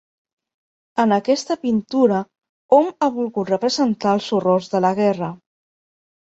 En aquesta pintura hom ha volgut representar els horrors de la guerra.